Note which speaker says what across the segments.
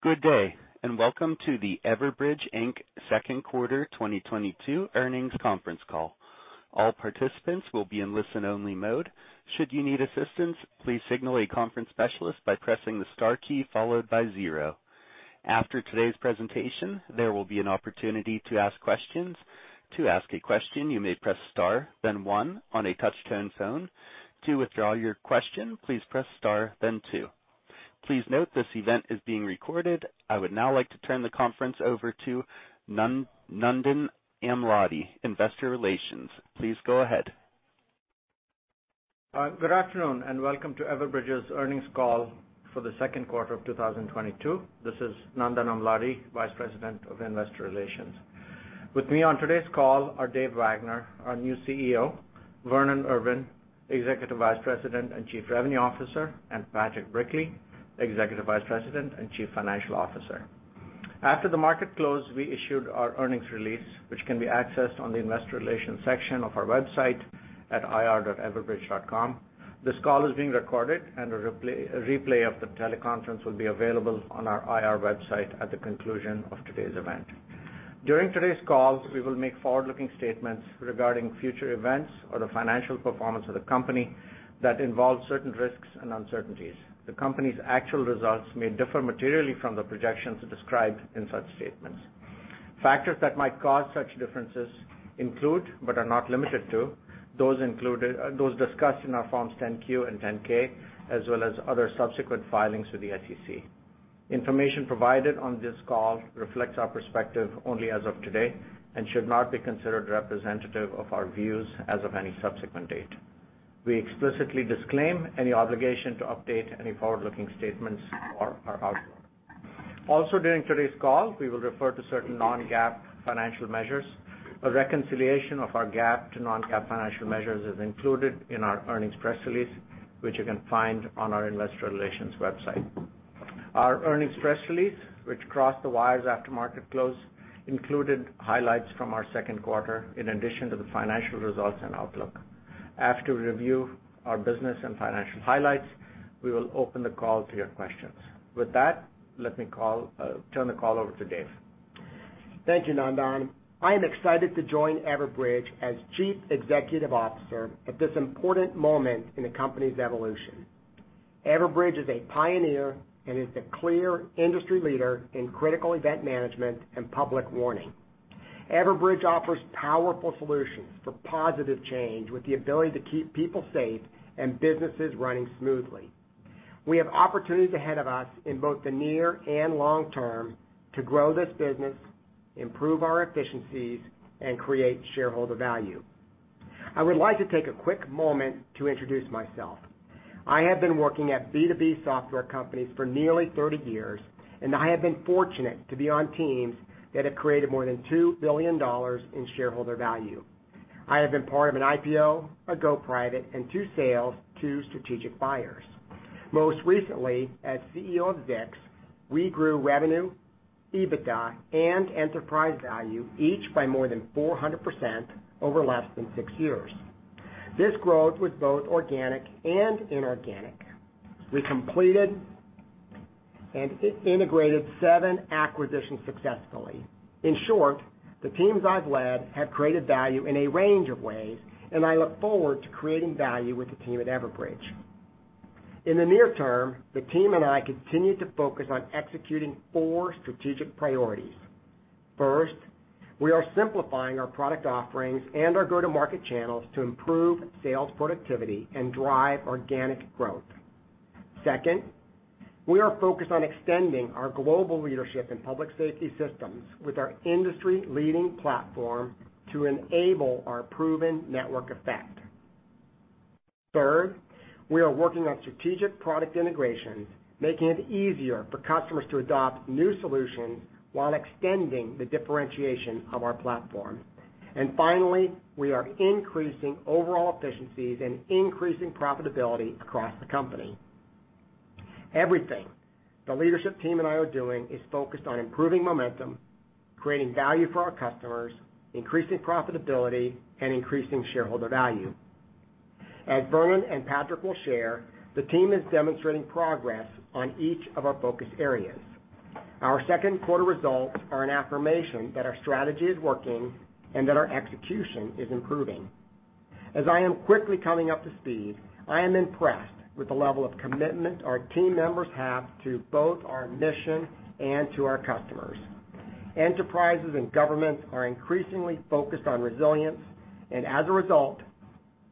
Speaker 1: Good day, and welcome to the Everbridge, Inc.'s Second Quarter 2022 Earnings Conference Call. All participants will be in listen-only mode. Should you need assistance, please signal a conference specialist by pressing the star key followed by zero. After today's presentation, there will be an opportunity to ask questions. To ask a question, you may press star, then one on a touch-tone phone. To withdraw your question, please press star then two. Please note this event is being recorded. I would now like to turn the conference over to Nandan Amladi, Investor Relations. Please go ahead.
Speaker 2: Good afternoon, and welcome to Everbridge's Earnings Call for the Second Quarter of 2022. This is Nandan Amladi, Vice President of Investor Relations. With me on today's call are Dave Wagner, our new CEO, Vernon Irvin, Executive Vice President and Chief Revenue Officer, and Patrick Brickley, Executive Vice President and Chief Financial Officer. After the market closed, we issued our earnings release, which can be accessed on the investor relations section of our website at ir.everbridge.com. This call is being recorded, and a replay of the teleconference will be available on our IR website at the conclusion of today's event. During today's call, we will make forward-looking statements regarding future events or the financial performance of the company that involves certain risks and uncertainties. The company's actual results may differ materially from the projections described in such statements. Factors that might cause such differences include, but are not limited to those discussed in our Forms 10-Q and 10-K, as well as other subsequent filings with the SEC. Information provided on this call reflects our perspective only as of today and should not be considered representative of our views as of any subsequent date. We explicitly disclaim any obligation to update any forward-looking statements or outlook. Also, during today's call, we will refer to certain non-GAAP financial measures. A reconciliation of our GAAP to non-GAAP financial measures is included in our earnings press release, which you can find on our investor relations website. Our earnings press release, which crossed the wires after market close, included highlights from our second quarter in addition to the financial results and outlook. After we review our business and financial highlights, we will open the call to your questions. With that, let me turn the call over to Dave.
Speaker 3: Thank you, Nandan. I am excited to join Everbridge as Chief Executive Officer at this important moment in the company's evolution. Everbridge is a pioneer and is the clear industry leader in critical event management and public warning. Everbridge offers powerful solutions for positive change with the ability to keep people safe and businesses running smoothly. We have opportunities ahead of us in both the near and long term to grow this business, improve our efficiencies, and create shareholder value. I would like to take a quick moment to introduce myself. I have been working at B2B software companies for nearly 30 years, and I have been fortunate to be on teams that have created more than $2 billion in shareholder value. I have been part of an IPO, a go private, and two sales to strategic buyers. Most recently, as CEO of ZixCorp, we grew revenue, EBITDA, and enterprise value each by more than 400% over less than six years. This growth was both organic and inorganic. We completed and integrated seven acquisitions successfully. In short, the teams I've led have created value in a range of ways, and I look forward to creating value with the team at Everbridge. In the near term, the team and I continue to focus on executing four strategic priorities. First, we are simplifying our product offerings and our go-to-market channels to improve sales productivity and drive organic growth. Second, we are focused on extending our global leadership in public safety systems with our industry-leading platform to enable our proven network effect. Third, we are working on strategic product integrations, making it easier for customers to adopt new solutions while extending the differentiation of our platform. Finally, we are increasing overall efficiencies and increasing profitability across the company. Everything the leadership team and I are doing is focused on improving momentum, creating value for our customers, increasing profitability, and increasing shareholder value. As Vernon and Patrick will share, the team is demonstrating progress on each of our focus areas. Our second quarter results are an affirmation that our strategy is working and that our execution is improving. As I am quickly coming up to speed, I am impressed with the level of commitment our team members have to both our mission and to our customers. Enterprises and governments are increasingly focused on resilience. As a result,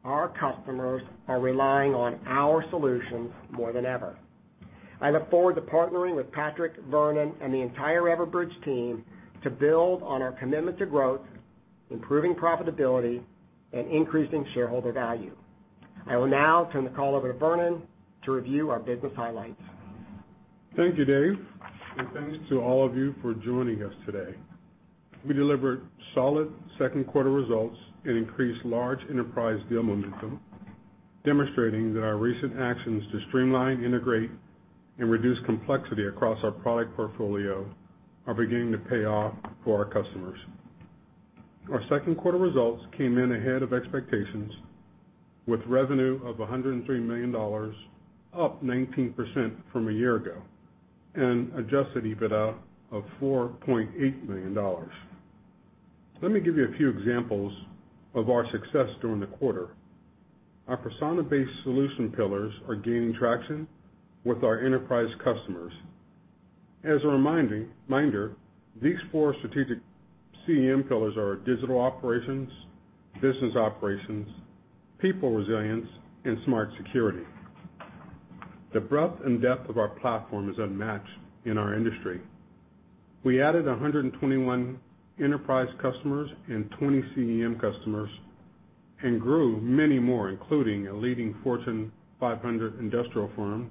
Speaker 3: our customers are relying on our solutions more than ever. I look forward to partnering with Patrick, Vernon, and the entire Everbridge team to build on our commitment to growth, improving profitability, and increasing shareholder value. I will now turn the call over to Vernon to review our business highlights.
Speaker 4: Thank you, Dave, and thanks to all of you for joining us today. We delivered solid second quarter results and increased large enterprise deal momentum, demonstrating that our recent actions to streamline, integrate, and reduce complexity across our product portfolio are beginning to pay off for our customers. Our second quarter results came in ahead of expectations with revenue of $103 million, up 19% from a year ago, and adjusted EBITDA of $4.8 million. Let me give you a few examples of our success during the quarter. Our persona-based solution pillars are gaining traction with our enterprise customers. As a reminder, these four strategic CEM pillars are our Digital Operations, Business Operations, People Resilience, and Smart Security. The breadth and depth of our platform is unmatched in our industry. We added 121 enterprise customers and 20 CEM customers and grew many more, including a leading Fortune 500 industrial firm,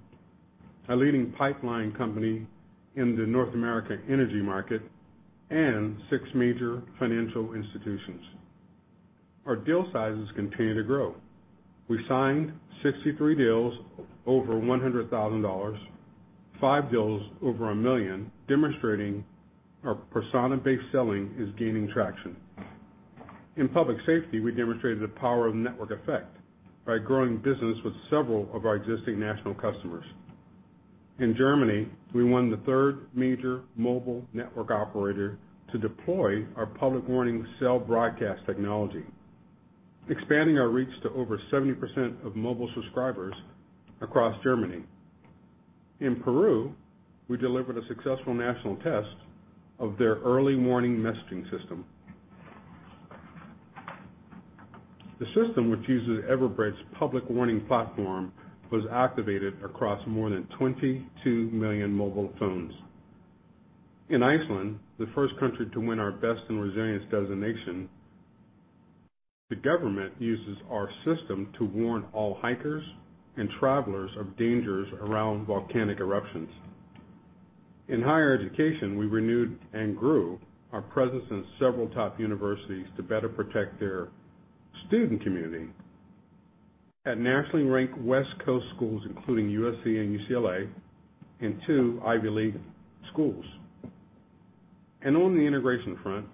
Speaker 4: a leading pipeline company in the North American energy market, and six major financial institutions. Our deal sizes continue to grow. We signed 63 deals over $100,000, five deals over $1 million, demonstrating our persona-based selling is gaining traction. In public safety, we demonstrated the power of network effect by growing business with several of our existing national customers. In Germany, we won the third major mobile network operator to deploy our public warning Cell Broadcast technology, expanding our reach to over 70% of mobile subscribers across Germany. In Peru, we delivered a successful national test of their early warning messaging system. The system, which uses Everbridge public warning platform, was activated across more than 22 million mobile phones. In Iceland, the first country to win our Best in Resilience designation, the government uses our system to warn all hikers and travelers of dangers around volcanic eruptions. In higher education, we renewed and grew our presence in several top universities to better protect their student community at nationally ranked West Coast schools, including USC and UCLA, and two Ivy League schools. On the integration front,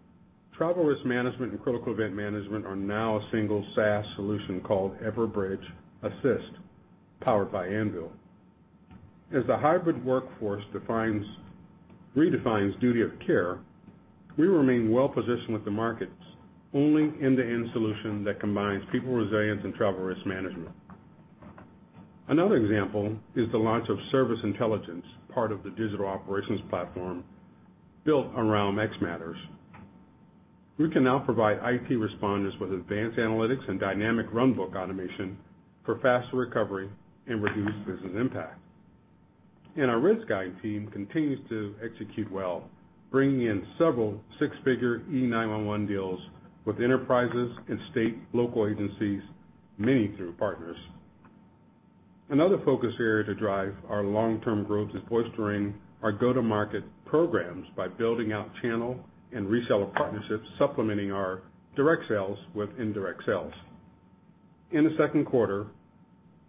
Speaker 4: travel risk management and critical event management are now a single SaaS solution called Everbridge Assist, powered by Anvil. As the hybrid workforce redefines duty of care, we remain well positioned with the market's only end-to-end solution that combines people resilience and travel risk management. Another example is the launch of Service Intelligence, part of the digital operations platform built around xMatters. We can now provide IT responders with advanced analytics and dynamic runbook automation for faster recovery and reduced business impact. Our Risk Guide team continues to execute well, bringing in several six-figure E911 deals with enterprises and state and local agencies, many through partners. Another focus area to drive our long-term growth is bolstering our go-to-market programs by building out channel and reseller partnerships, supplementing our direct sales with indirect sales. In the second quarter,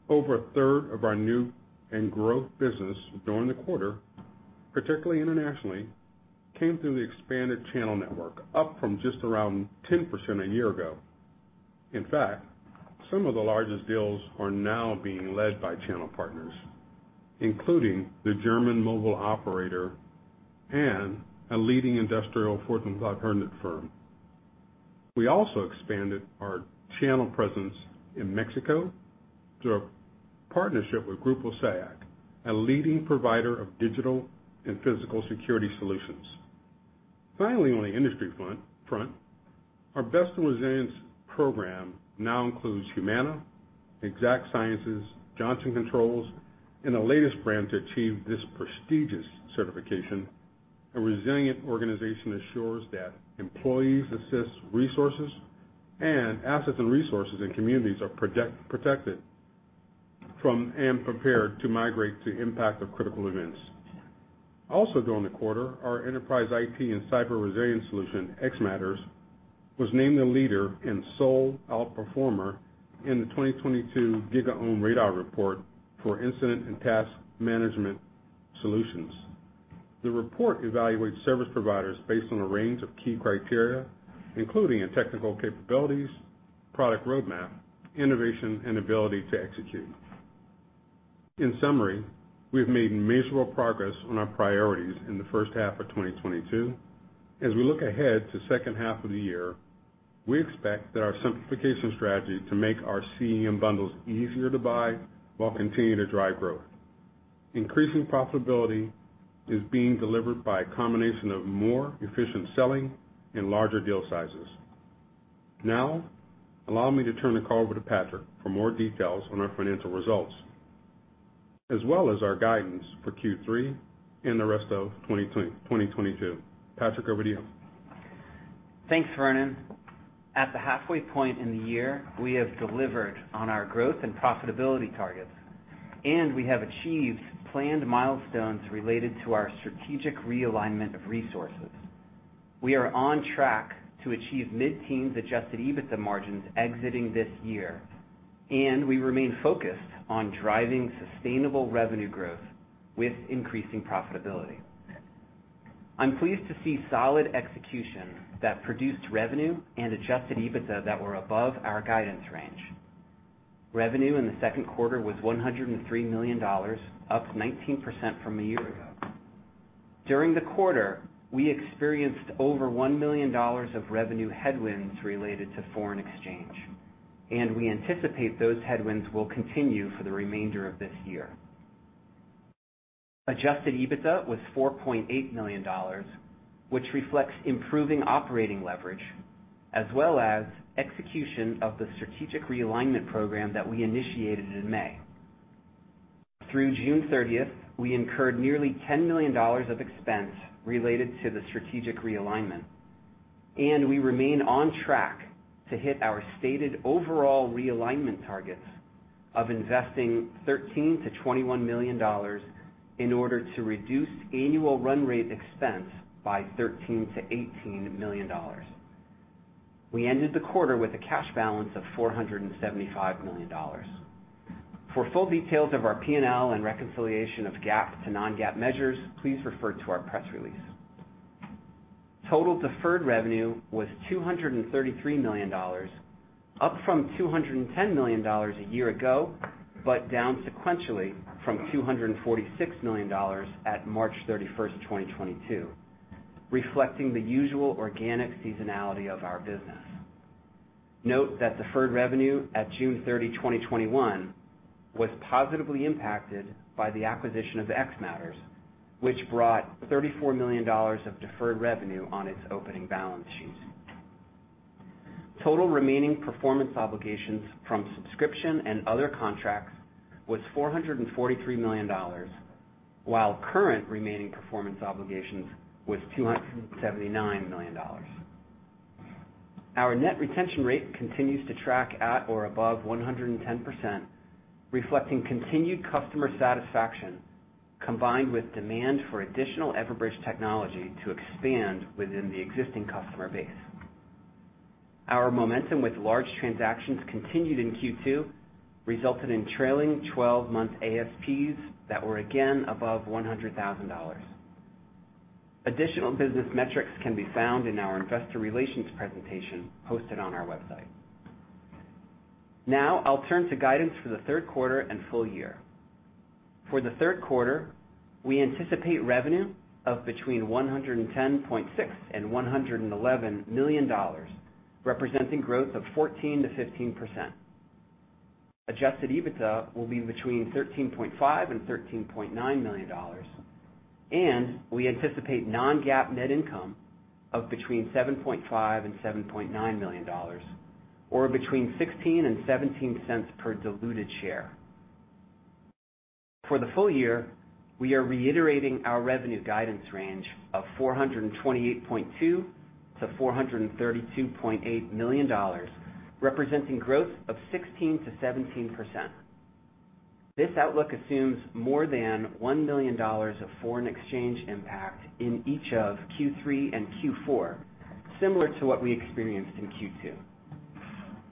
Speaker 4: over a third of our new and growth business during the quarter, particularly internationally, came through the expanded channel network, up from just around 10% a year ago. In fact, some of the largest deals are now being led by channel partners, including the German mobile operator and a leading industrial Fortune 500 firm. We also expanded our channel presence in Mexico through a partnership with Grupo Siayec, a leading provider of digital and physical security solutions. Finally, on the industry front, our Best in Resilience program now includes Humana, Exact Sciences, Johnson Controls, and the latest brand to achieve this prestigious certification. A resilient organization ensures that employees, assets, resources, and communities are protected from and prepared to mitigate the impact of critical events. During the quarter, our enterprise IT and cyber resilience solution, xMatters, was named a leader and sole outperformer in the 2022 GigaOm Radar Report for Incident and Task Management Solutions. The report evaluates service providers based on a range of key criteria, including their technical capabilities, product roadmap, innovation, and ability to execute. In summary, we have made measurable progress on our priorities in the first half of 2022. As we look ahead to second half of the year, we expect that our simplification strategy to make our CEM bundles easier to buy while continuing to drive growth. Increasing profitability is being delivered by a combination of more efficient selling and larger deal sizes. Now, allow me to turn the call over to Patrick for more details on our financial results, as well as our guidance for Q3 and the rest of 2022. Patrick, over to you.
Speaker 5: Thanks, Vernon. At the halfway point in the year, we have delivered on our growth and profitability targets, and we have achieved planned milestones related to our strategic realignment of resources. We are on track to achieve mid-teens adjusted EBITDA margins exiting this year. We remain focused on driving sustainable revenue growth with increasing profitability. I'm pleased to see solid execution that produced revenue and adjusted EBITDA that were above our guidance range. Revenue in the second quarter was $103 million, up 19% from a year ago. During the quarter, we experienced over $1 million of revenue headwinds related to foreign exchange, and we anticipate those headwinds will continue for the remainder of this year. Adjusted EBITDA was $4.8 million, which reflects improving operating leverage as well as execution of the strategic realignment program that we initiated in May. Through June 30th, we incurred nearly $10 million of expense related to the strategic realignment, and we remain on track to hit our stated overall realignment targets of investing $13 million-$21 million in order to reduce annual run rate expense by $13 million-$18 million. We ended the quarter with a cash balance of $475 million. For full details of our P&L and reconciliation of GAAP to non-GAAP measures, please refer to our press release. Total deferred revenue was $233 million, up from $210 million a year ago, but down sequentially from $246 million at March 31st, 2022, reflecting the usual organic seasonality of our business. Note that deferred revenue at June 30th, 2021 was positively impacted by the acquisition of xMatters, which brought $34 million of deferred revenue on its opening balance sheet. Total remaining performance obligations from subscription and other contracts was $443 million, while current remaining performance obligations was $279 million. Our net retention rate continues to track at or above 110%, reflecting continued customer satisfaction, combined with demand for additional Everbridge technology to expand within the existing customer base. Our momentum with large transactions continued in Q2, resulting in trailing 12-month ASPs that were again above $100,000. Additional business metrics can be found in our investor relations presentation posted on our website. Now I'll turn to guidance for the third quarter and full year. For the third quarter, we anticipate revenue of between $110.6 million and $111 million, representing growth of 14%-15%. Adjusted EBITDA will be between $13.5 million and $13.9 million, and we anticipate non-GAAP net income of between $7.5 million and $7.9 million or between $0.16 and $0.17 per diluted share. For the full year, we are reiterating our revenue guidance range of $428.2 million-$432.8 million, representing growth of 16%-17%. This outlook assumes more than $1 million of foreign exchange impact in each of Q3 and Q4, similar to what we experienced in Q2.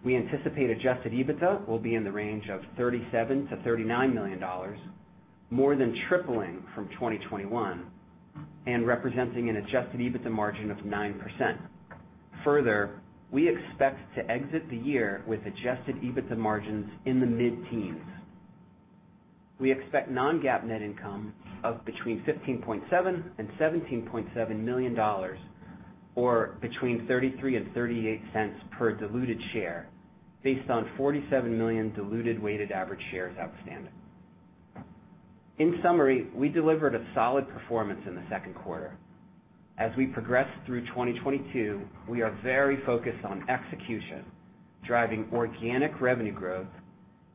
Speaker 5: We anticipate adjusted EBITDA will be in the range of $37 million-$39 million, more than tripling from 2021 and representing an adjusted EBITDA margin of 9%. Further, we expect to exit the year with adjusted EBITDA margins in the mid-teens. We expect non-GAAP net income of between $15.7 million-$17.7 million, or between $0.33-$0.38 per diluted share based on 47 million diluted weighted average shares outstanding. In summary, we delivered a solid performance in the second quarter. As we progress through 2022, we are very focused on execution, driving organic revenue growth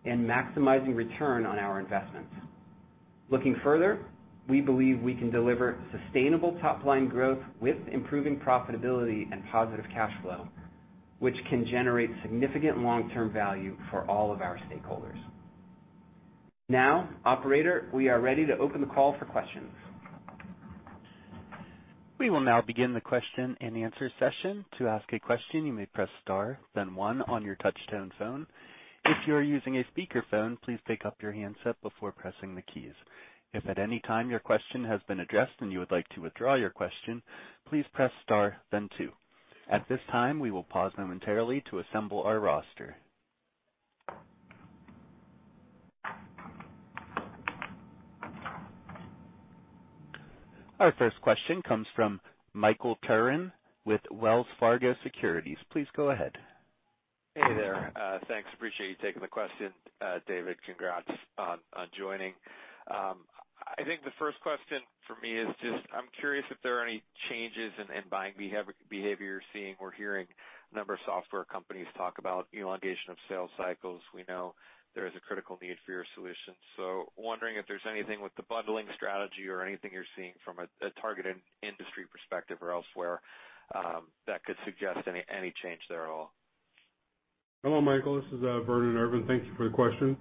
Speaker 5: and maximizing return on our investments. Looking further, we believe we can deliver sustainable top line growth with improving profitability and positive cash flow, which can generate significant long-term value for all of our stakeholders. Now, operator, we are ready to open the call for questions.
Speaker 1: We will now begin the question-and-answer session. To ask a question, you may press star, then one on your touchtone phone. If you are using a speakerphone, please pick up your handset before pressing the keys. If at any time your question has been addressed and you would like to withdraw your question, please press star then two. At this time, we will pause momentarily to assemble our roster. Our first question comes from Michael Turrin with Wells Fargo Securities. Please go ahead.
Speaker 6: Hey there. Thanks. Appreciate you taking the question, Dave. Congrats on joining. I think the first question for me is just I'm curious if there are any changes in buying behavior you're seeing or hearing. A number of software companies talk about elongation of sales cycles. We know there is a critical need for your solution. Wondering if there's anything with the bundling strategy or anything you're seeing from a targeted industry perspective or elsewhere that could suggest any change there at all.
Speaker 4: Hello, Michael. This is Vernon Irvin. Thank you for the question.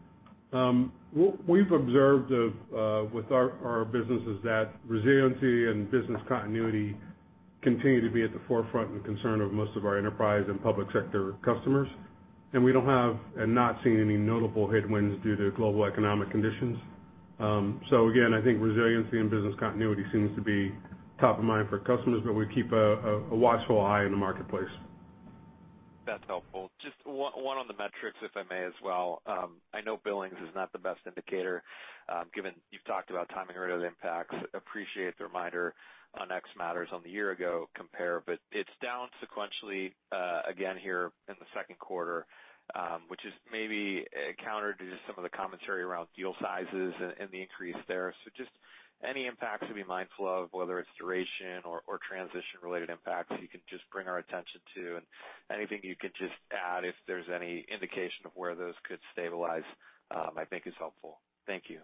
Speaker 4: We've observed in our business that resiliency and business continuity continue to be at the forefront and concern of most of our enterprise and public sector customers. We haven't seen any notable headwinds due to global economic conditions. Again, I think resiliency and business continuity seems to be top of mind for customers, but we keep a watchful eye in the marketplace.
Speaker 6: That's helpful. Just one on the metrics, if I may as well. I know billings is not the best indicator, given you've talked about timing or other impacts. Appreciate the reminder on xMatters on the year-ago compare, but it's down sequentially, again here in the second quarter, which is maybe counter to some of the commentary around deal sizes and the increase there. Just any impacts to be mindful of, whether it's duration or transition-related impacts you can just bring our attention to, and anything you can just add if there's any indication of where those could stabilize, I think is helpful. Thank you.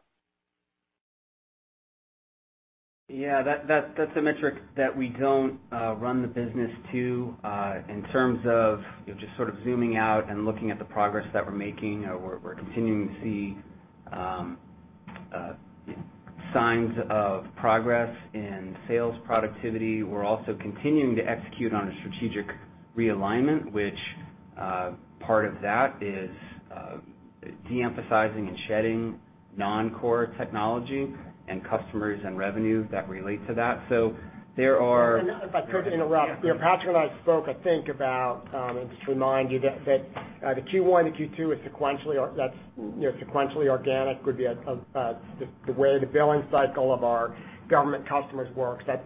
Speaker 5: Yeah, that's a metric that we don't run the business to. In terms of just sort of zooming out and looking at the progress that we're making, we're continuing to see signs of progress in sales productivity. We're also continuing to execute on a strategic realignment, which part of that is de-emphasizing and shedding non-core technology and customers and revenue that relate to that.
Speaker 3: If I could interrupt. You know, Patrick and I spoke, I think about and just to remind you that the Q1 to Q2 is sequentially, you know, organic would be the way the billing cycle of our government customers works. That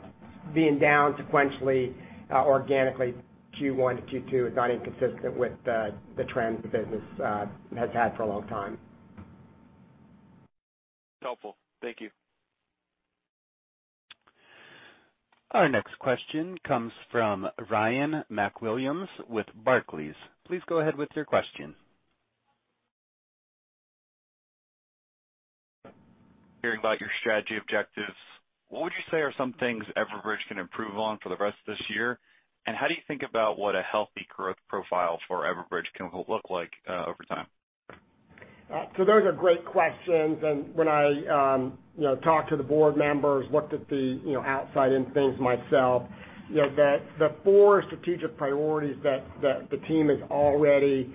Speaker 3: being down sequentially, organically Q1 to Q2 is not inconsistent with the trend the business has had for a long time.
Speaker 6: Helpful. Thank you.
Speaker 1: Our next question comes from Ryan MacWilliams with Barclays. Please go ahead with your question.
Speaker 7: Hearing about your strategy objectives, what would you say are some things Everbridge can improve on for the rest of this year? How do you think about what a healthy growth profile for Everbridge can look like, over time?
Speaker 3: Those are great questions. When I talk to the board members and looked at the outside-in things myself, the four strategic priorities that the team is already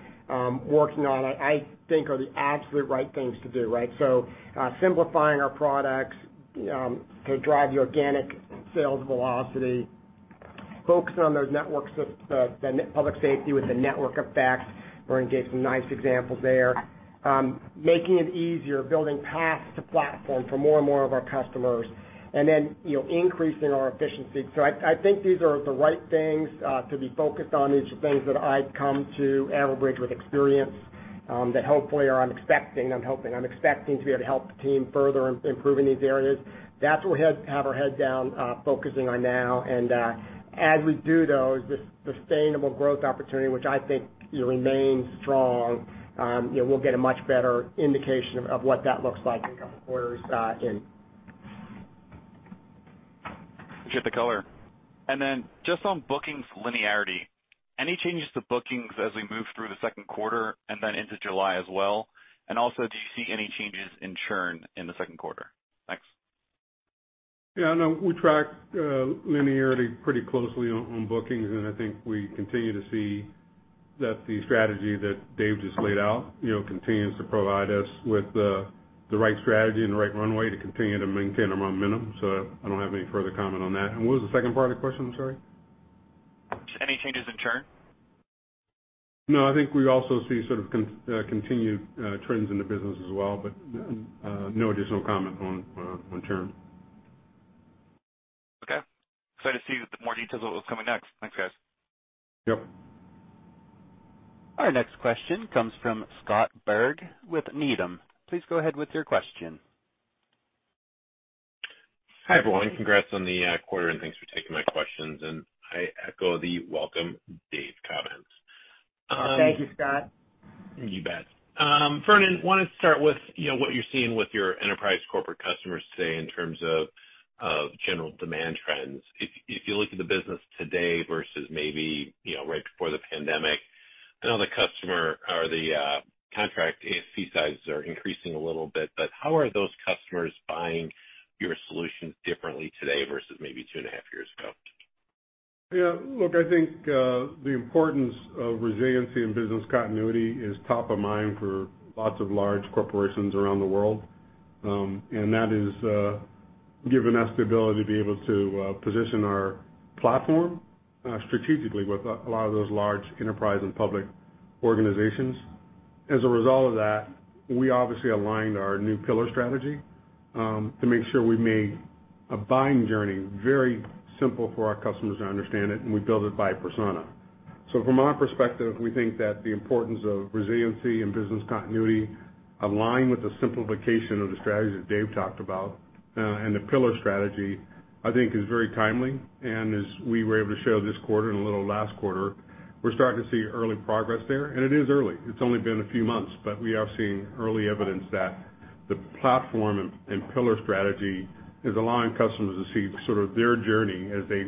Speaker 3: working on, I think are the absolute right things to do, right? Simplifying our products to drive the organic sales velocity, focusing on those networks of the public safety with the network effects. Vernon gave some nice examples there. Making it easier, building paths to platform for more and more of our customers, and then increasing our efficiency. I think these are the right things to be focused on. These are things that I come to Everbridge with experience that hopefully I'm expecting to be able to help the team further improve in these areas. That's what we have our head down, focusing on now. As we do, though, the sustainable growth opportunity, which I think remains strong, we'll get a much better indication of what that looks like a couple quarters in.
Speaker 7: Appreciate the color. Just on bookings linearity, any changes to bookings as we move through the second quarter and then into July as well? Also, do you see any changes in churn in the second quarter? Thanks.
Speaker 4: Yeah, no, we track linearity pretty closely on bookings, and I think we continue to see that the strategy that Dave just laid out, you know, continues to provide us with the right strategy and the right runway to continue to maintain our momentum. So I don't have any further comment on that. What was the second part of the question? I'm sorry.
Speaker 6: Any changes in churn?
Speaker 4: No, I think we also see sort of continued trends in the business as well, but no additional comment on churn.
Speaker 7: Okay. Excited to see the more details of what's coming next. Thanks, guys.
Speaker 4: Yep.
Speaker 1: Our next question comes from Scott Berg with Needham. Please go ahead with your question.
Speaker 8: Hi, everyone. Congrats on the quarter, and thanks for taking my questions. I echo the welcome Dave comments.
Speaker 3: Thank you, Scott.
Speaker 8: You bet. Vernon, wanted to start with, you know, what you're seeing with your enterprise corporate customers today in terms of general demand trends. If you look at the business today versus maybe, you know, right before the pandemic, I know contract ACV sizes are increasing a little bit, but how are those customers buying your solutions differently today versus maybe two and a half years ago?
Speaker 4: Yeah, look, I think the importance of resiliency and business continuity is top of mind for lots of large corporations around the world. That has given us the ability to be able to position our platform strategically with a lot of those large enterprise and public organizations. As a result of that, we obviously aligned our new pillar strategy to make sure we made a buying journey very simple for our customers to understand it, and we build it by persona. From our perspective, we think that the importance of resiliency and business continuity align with the simplification of the strategy that Dave talked about. The pillar strategy, I think is very timely. As we were able to show this quarter and a little last quarter, we're starting to see early progress there. It is early. It's only been a few months, but we are seeing early evidence that the platform and pillar strategy is allowing customers to see sort of their journey as they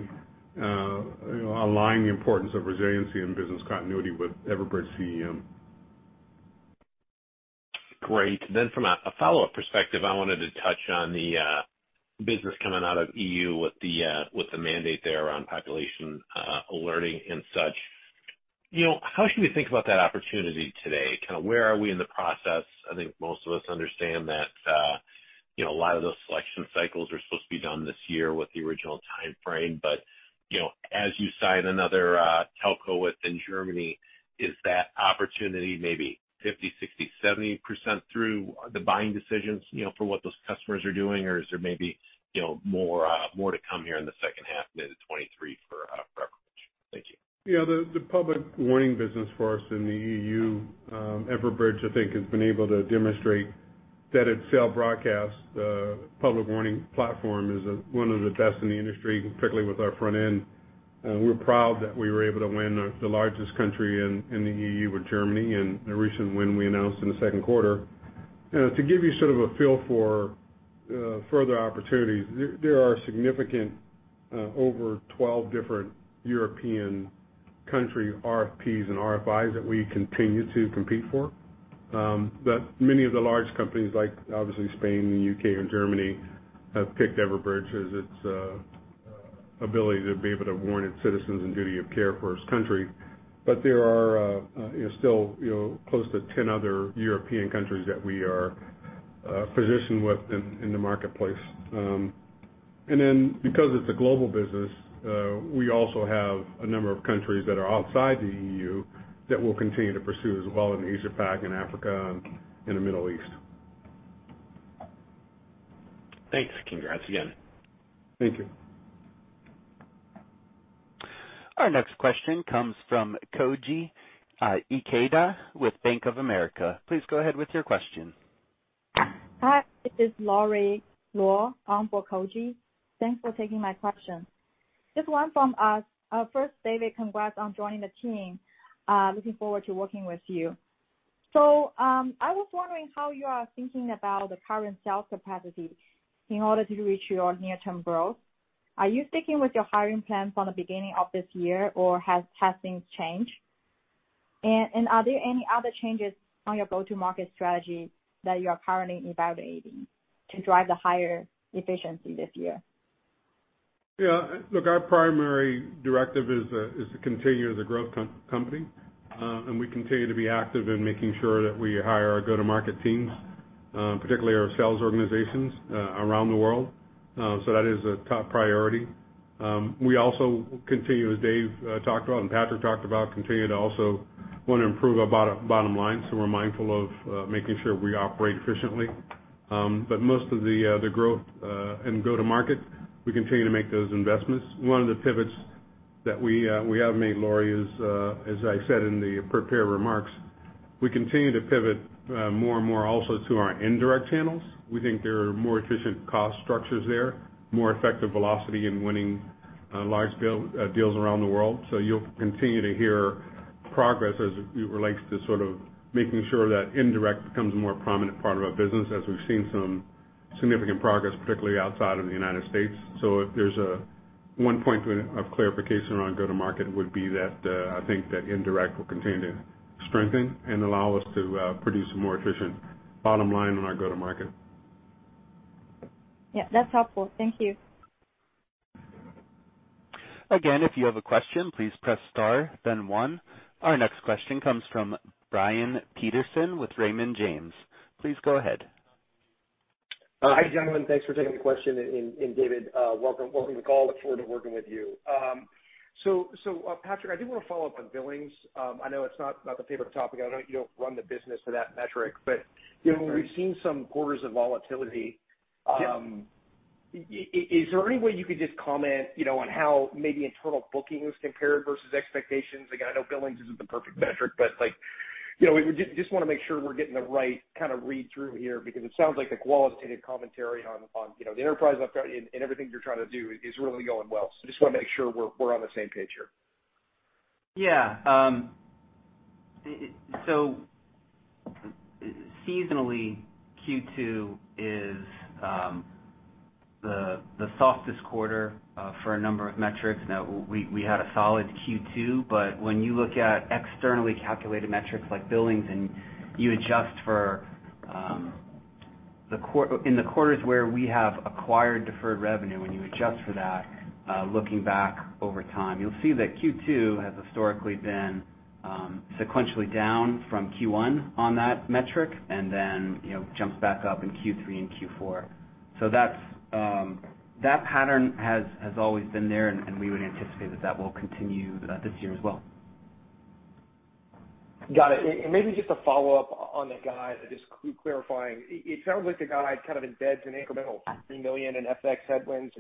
Speaker 4: align the importance of resiliency and business continuity with Everbridge CEM.
Speaker 8: Great. From a follow-up perspective, I wanted to touch on the business coming out of EU with the mandate there on population alerting and such. You know, how should we think about that opportunity today? Kinda where are we in the process? I think most of us understand that, you know, a lot of those selection cycles are supposed to be done this year with the original timeframe. You know, as you sign another telco within Germany, is that opportunity maybe 50%, 60%, 70% through the buying decisions, you know, for what those customers are doing? Or is there maybe, you know, more to come here in the second half into 2023 for Everbridge? Thank you.
Speaker 4: Yeah, the public warning business for us in the EU, Everbridge, I think, has been able to demonstrate that its Cell Broadcast public warning platform is one of the best in the industry, particularly with our front end. We're proud that we were able to win the largest country in the EU, with Germany, and a recent win we announced in the second quarter. You know, to give you sort of a feel for further opportunities, there are significant over 12 different European country RFPs and RFIs that we continue to compete for. But many of the large countries like obviously Spain, the U.K., and Germany have picked Everbridge for its ability to be able to warn its citizens and duty of care for its country. There are, you know, still, you know, close to 10 other European countries that we are positioned with in the marketplace. Because it's a global business, we also have a number of countries that are outside the EU that we'll continue to pursue as well in Asia-Pac and Africa and the Middle East.
Speaker 8: Thanks. Congrats again.
Speaker 4: Thank you.
Speaker 1: Our next question comes from Koji Ikeda with Bank of America. Please go ahead with your question.
Speaker 9: Hi, thanks for taking my question. Just one from us. First, David, congrats on joining the team. Looking forward to working with you. I was wondering how you are thinking about the current sales capacity in order to reach your near-term growth. Are you sticking with your hiring plan from the beginning of this year, or has timing changed? And are there any other changes on your go-to-market strategy that you are currently evaluating to drive the higher efficiency this year?
Speaker 4: Yeah, look, our primary directive is to continue as a growth company. We continue to be active in making sure that we hire our go-to-market teams, particularly our sales organizations, around the world. That is a top priority. We also continue, as Dave talked about and Patrick talked about, continue to also wanna improve our bottom line, so we're mindful of making sure we operate efficiently. Most of the growth and go-to-market, we continue to make those investments. One of the pivots that we have made, Laurie, is, as I said in the prepared remarks, we continue to pivot, more and more also to our indirect channels. We think there are more efficient cost structures there, more effective velocity in winning large deals around the world. You'll continue to hear progress as it relates to sort of making sure that indirect becomes a more prominent part of our business as we've seen some significant progress, particularly outside of the United States. If there's a one point of clarification around go-to-market would be that, I think that indirect will continue to strengthen and allow us to produce a more efficient bottom line on our go-to-market.
Speaker 9: Yeah, that's helpful. Thank you.
Speaker 1: Again, if you have a question, please press star then one. Our next question comes from Brian Peterson with Raymond James. Please go ahead.
Speaker 10: Hi, gentlemen. Thanks for taking the question. David, welcome to the call. Look forward to working with you. Patrick, I do wanna follow up on billings. I know it's not the favorite topic. I know you don't run the business to that metric, but, you know, we've seen some quarters of volatility. Is there any way you could just comment, you know, on how maybe internal bookings compared versus expectations? Again, I know billings isn't the perfect metric, but like, you know, we just wanna make sure we're getting the right kinda read-through here because it sounds like the qualitative commentary on, you know, the enterprise and everything you're trying to do is really going well. Just wanna make sure we're on the same page here.
Speaker 5: Yeah. Seasonally, Q2 is the softest quarter for a number of metrics. Now, we had a solid Q2, but when you look at externally calculated metrics like billings and you adjust for in the quarters where we have acquired deferred revenue, when you adjust for that, looking back over time, you'll see that Q2 has historically been sequentially down from Q1 on that metric and then, you know, jumps back up in Q3 and Q4. That's that pattern has always been there, and we would anticipate that that will continue this year as well.
Speaker 10: Got it. Maybe just a follow-up on the guide, just clarifying. It sounds like the guide kind of embeds an incremental $3 million in FX headwinds.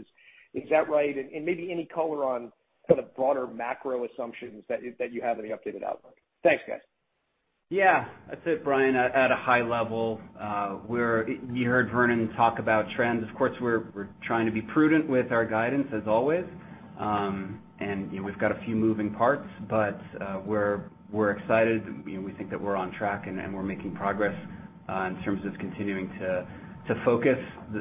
Speaker 10: Is that right? Maybe any color on sort of broader macro assumptions that you have in the updated outlook? Thanks, guys.
Speaker 5: Yeah. That's it, Brian. At a high level, you heard Vernon talk about trends. Of course, we're trying to be prudent with our guidance, as always. You know, we've got a few moving parts, but we're excited. You know, we think that we're on track and we're making progress in terms of continuing to focus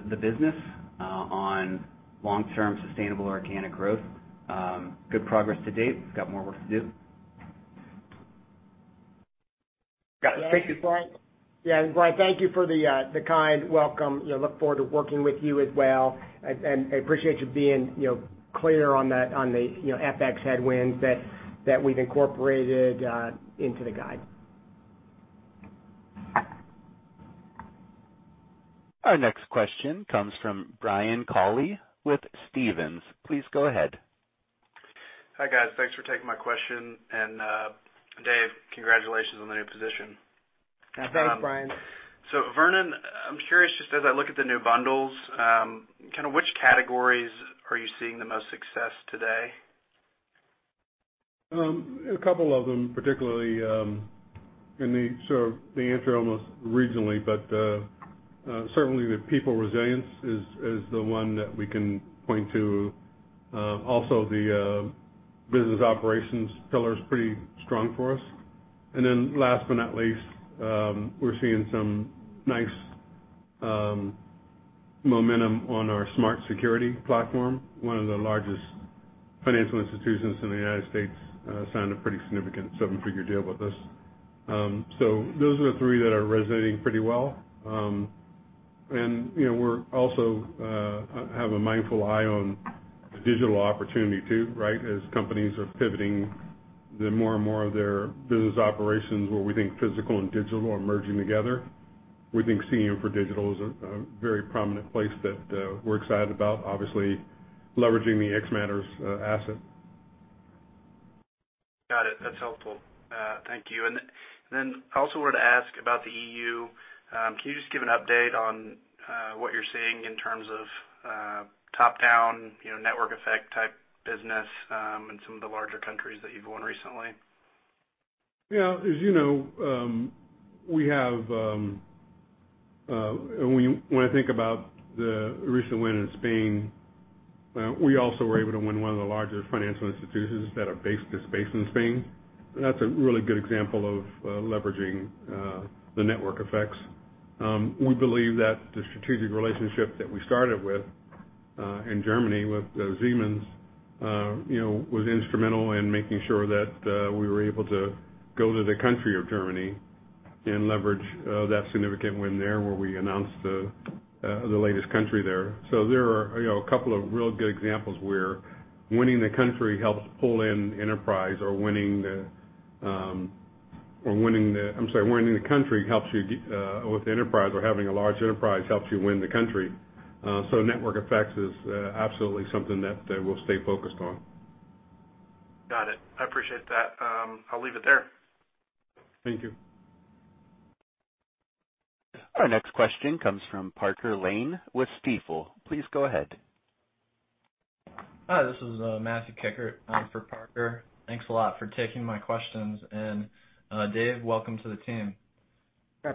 Speaker 5: the business on long-term sustainable organic growth. Good progress to date. We've got more work to do.
Speaker 10: Got it. Thank you.
Speaker 3: Yeah, Brian, thank you for the kind welcome. You know, look forward to working with you as well. I appreciate you being, you know, clear on that on the, you know, FX headwinds that we've incorporated into the guide.
Speaker 1: Our next question comes from Brian Colley with Stephens. Please go ahead.
Speaker 11: Hi, guys. Thanks for taking my question. Dave, congratulations on the new position.
Speaker 3: Thanks, Brian.
Speaker 11: Vernon, I'm curious, just as I look at the new bundles, kinda which categories are you seeing the most success today?
Speaker 4: A couple of them, particularly. The answer almost regionally, but certainly, the People Resilience is the one that we can point to. Also the Business Operations pillar is pretty strong for us. Last but not least, we're seeing some nice momentum on our Smart Security platform. One of the largest financial institutions in the United States signed a pretty significant seven-figure deal with us. Those are the three that are resonating pretty well. You know, we also have a mindful eye on the digital opportunity too, right? As companies are pivoting more and more of their business operations where we think physical and digital are merging together. We think CEM for digital is a very prominent place that we're excited about, obviously leveraging the xMatters asset.
Speaker 11: Got it. That's helpful. Thank you. Then also wanted to ask about the EU. Can you just give an update on what you're seeing in terms of top-down, you know, network effect type business in some of the larger countries that you've won recently?
Speaker 4: Yeah. As you know, we have, when I think about the recent win in Spain, we also were able to win one of the largest financial institutions that's based in Spain. That's a really good example of leveraging the network effects. We believe that the strategic relationship that we started with in Germany with Siemens, you know, was instrumental in making sure that we were able to go to the country of Germany and leverage that significant win there, where we announced the latest country there. There are, you know, a couple of real good examples where winning the country helps pull in enterprise or winning the. I'm sorry, winning the country helps you with enterprise or having a large enterprise helps you win the country. Network effects is absolutely something that we'll stay focused on.
Speaker 11: Got it. I appreciate that. I'll leave it there.
Speaker 1: Thank you. Our next question comes from Parker Lane with Stifel. Please go ahead.
Speaker 12: Hi, this is Matthew Kikkert for Parker. Thanks a lot for taking my questions. Dave, welcome to the team.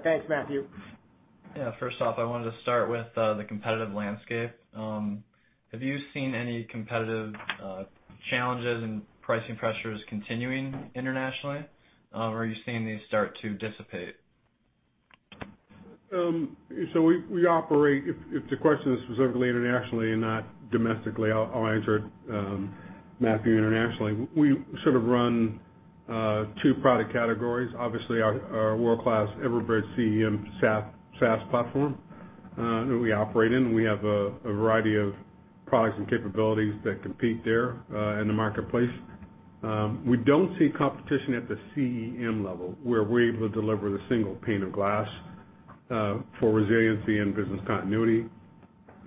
Speaker 3: Thanks, Matthew.
Speaker 12: Yeah. First off, I wanted to start with the competitive landscape. Have you seen any competitive challenges and pricing pressures continuing internationally? Or are you seeing these start to dissipate?
Speaker 4: If the question is specifically internationally and not domestically, I'll answer it, Matthew, internationally. We sort of run two product categories. Obviously, our world-class Everbridge CEM SaaS platform that we operate in. We have a variety of products and capabilities that compete there in the marketplace. We don't see competition at the CEM level, where we're able to deliver the single pane of glass for resiliency and business continuity.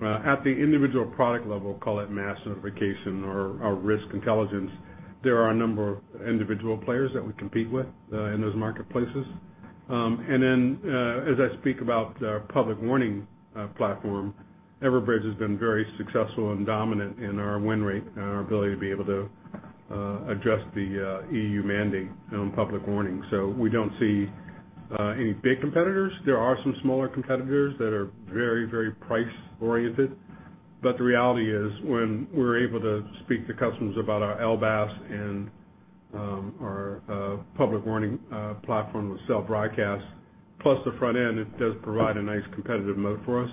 Speaker 4: At the individual product level, call it Mass Notification or Risk Intelligence, there are a number of individual players that we compete with in those marketplaces. As I speak about our public warning platform, Everbridge has been very successful and dominant in our win rate and our ability to be able to address the EU mandate on public warning. We don't see any big competitors. There are some smaller competitors that are very, very price-oriented. The reality is, when we're able to speak to customers about our LB-SMS and our public warning platform with Cell Broadcast, plus the front end, it does provide a nice competitive moat for us.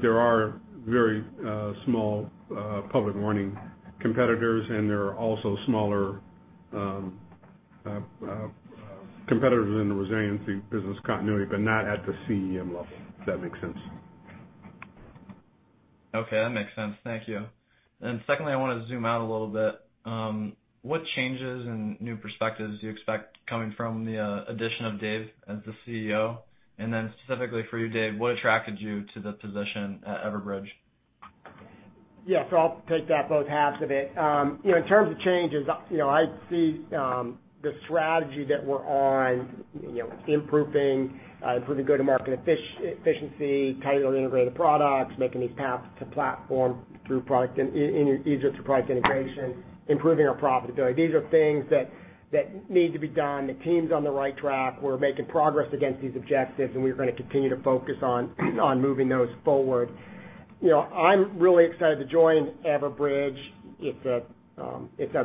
Speaker 4: There are very small public warning competitors, and there are also smaller competitors in the resiliency business continuity, but not at the CEM level, if that makes sense.
Speaker 12: Okay, that makes sense. Thank you. Secondly, I wanna zoom out a little bit. What changes and new perspectives do you expect coming from the addition of Dave as the CEO? Then specifically for you, Dave, what attracted you to the position at Everbridge?
Speaker 3: Yeah. I'll take that both halves of it. You know, in terms of changes, you know, I see the strategy that we're on, you know, improving go-to-market efficiency, tightly integrated products, making these paths to platform through product and easier product integration, improving our profitability. These are things that need to be done. The team's on the right track. We're making progress against these objectives, and we're gonna continue to focus on moving those forward. You know, I'm really excited to join Everbridge. It's a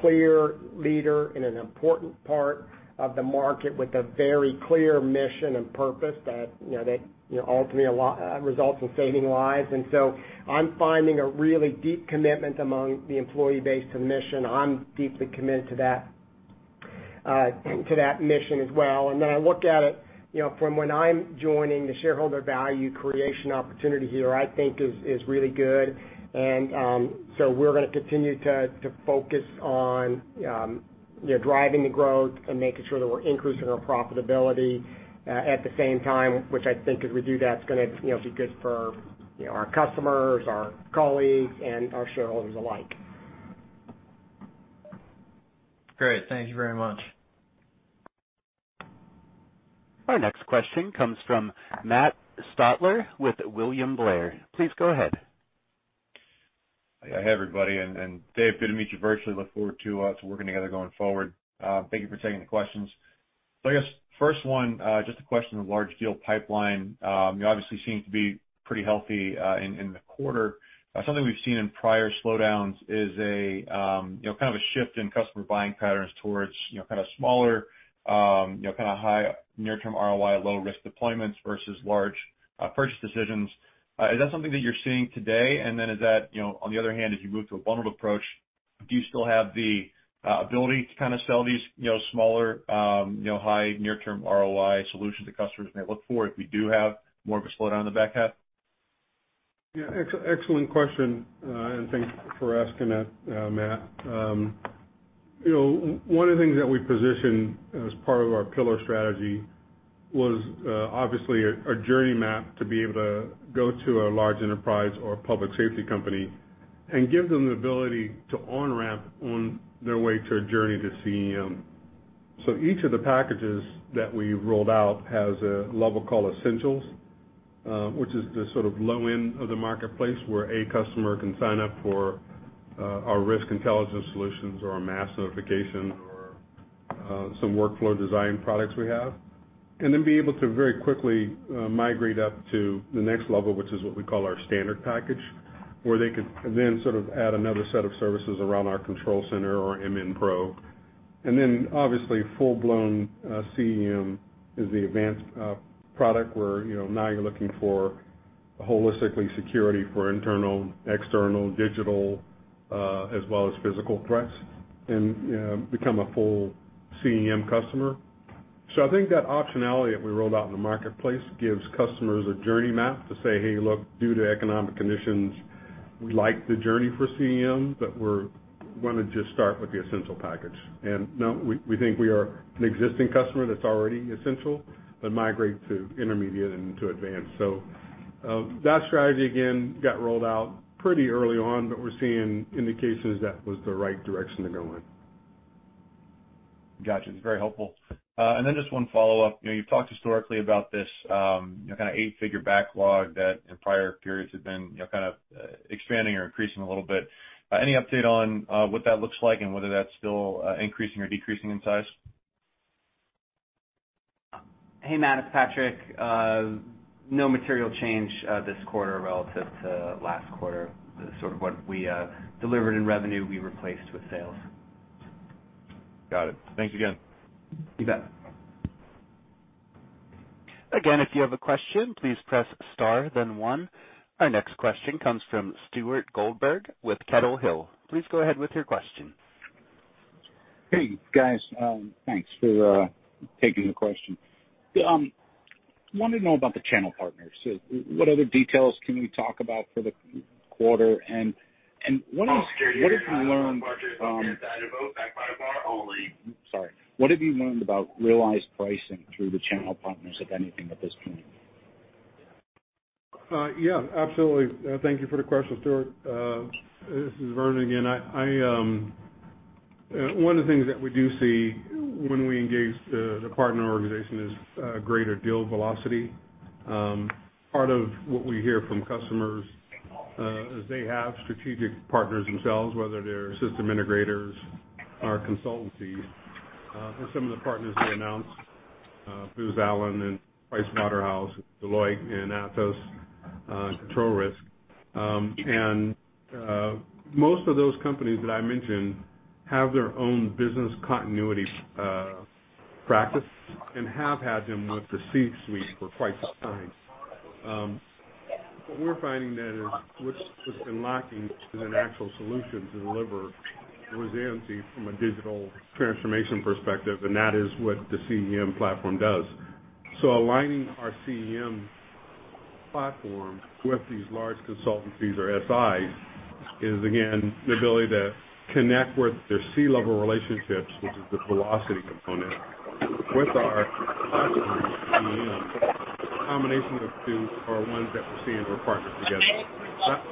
Speaker 3: clear leader and an important part of the market with a very clear mission and purpose that ultimately results in saving lives. I'm finding a really deep commitment among the employee base to the mission. I'm deeply committed to that. To that mission as well. Then I look at it, you know, from when I'm joining the shareholder value creation opportunity here, I think is really good. We're gonna continue to focus on, you know, driving the growth and making sure that we're increasing our profitability at the same time, which I think as we do that, it's gonna, you know, be good for, you know, our customers, our colleagues, and our shareholders alike.
Speaker 12: Great. Thank you very much.
Speaker 1: Our next question comes from Matt Stotler with William Blair. Please go ahead.
Speaker 13: Hey. Hey, everybody. Dave, good to meet you virtually. Look forward to working together going forward. Thank you for taking the questions. I guess first one, just a question on large deal pipeline. You obviously seem to be pretty healthy in the quarter. Something we've seen in prior slowdowns is a you know, kind of a shift in customer buying patterns towards you know, kinda smaller you know, kinda high near term ROI, low risk deployments versus large purchase decisions. Is that something that you're seeing today? Is that, you know, on the other hand, as you move to a bundled approach, do you still have the ability to kinda sell these, you know, smaller, you know, high near term ROI solutions that customers may look for if we do have more of a slowdown on the back half?
Speaker 4: Yeah. Excellent question. Thanks for asking that, Matt. You know, one of the things that we positioned as part of our pillar strategy was obviously a journey map to be able to go to a large enterprise or a public safety company and give them the ability to on-ramp on their way to a journey to CEM. Each of the packages that we've rolled out has a level called Essentials, which is the sort of low end of the marketplace, where a customer can sign up for our Risk Intelligence solutions or our Mass Notification or some workflow design products we have, and then be able to very quickly migrate up to the next level, which is what we call our standard package, where they could then sort of add another set of services around our Control Center or Mass Notification. Obviously, full-blown CEM is the advanced product where, you know, now you're looking for holistic security for internal, external, digital, as well as physical threats and, you know, become a full CEM customer. I think that optionality that we rolled out in the marketplace gives customers a journey map to say, "Hey, look, due to economic conditions, we like the journey for CEM, but we're gonna just start with the essential package." You know, we think we are an existing customer that's already essential, but migrate to intermediate and to advanced. That strategy again got rolled out pretty early on, but we're seeing indications that was the right direction to go in.
Speaker 13: Gotcha. It's very helpful. Then just one follow-up. You know, you've talked historically about this, you know, kinda eight-figure backlog that in prior periods had been, you know, kind of, expanding or increasing a little bit. Any update on what that looks like and whether that's still increasing or decreasing in size?
Speaker 3: Hey, Matt Stotler, it's Patrick Brickley. No material change this quarter relative to last quarter. The sort of what we delivered in revenue, we replaced with sales.
Speaker 13: Got it. Thanks again.
Speaker 3: You bet.
Speaker 1: Again, if you have a question, please press star then one. Our next question comes from Stuart Goldberg with Kettle Hill. Please go ahead with your question.
Speaker 14: Hey, guys. Thanks for taking the question. Wanted to know about the channel partners. What other details can you talk about for the quarter? What have you learned about realized pricing through the channel partners, if anything, at this point?
Speaker 4: Yeah, absolutely. Thank you for the question, Stuart. This is Vernon Irvin again. One of the things that we do see when we engage the partner organization is greater deal velocity. Part of what we hear from customers is they have strategic partners themselves, whether they're system integrators or consultancies. Some of the partners we announced, Booz Allen and PricewaterhouseCoopers, Deloitte, and Atos, Control Risks. Most of those companies that I mentioned have their own business continuity practice and have had them with the C-suite for quite some time. What we're finding then is what's been lacking is an actual solution to deliver resiliency from a digital transformation perspective, and that is what the CEM platform does. Aligning our CEM platform with these large consultancies or SIs is again the ability to connect with their C-level relationships, which is the velocity component, with our platform, CEM. The combination of two are ones that we're seeing are partnered together.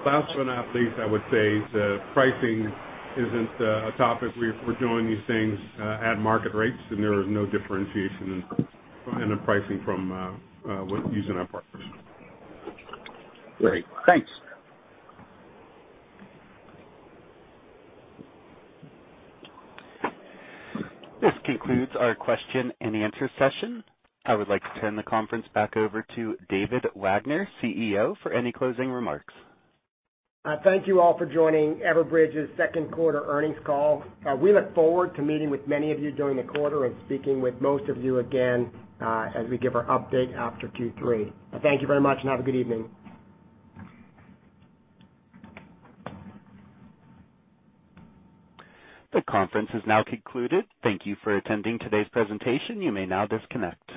Speaker 4: Last but not least, I would say the pricing isn't a topic. We're doing these things at market rates, and there is no differentiation in the pricing from with using our partners.
Speaker 14: Great. Thanks.
Speaker 1: This concludes our question and answer session. I would like to turn the conference back over to Dave Wagner, CEO, for any closing remarks.
Speaker 3: Thank you all for joining Everbridge's second quarter earnings call. We look forward to meeting with many of you during the quarter and speaking with most of you again, as we give our update after Q3. Thank you very much and have a good evening.
Speaker 1: The conference is now concluded. Thank you for attending today's presentation. You may now disconnect.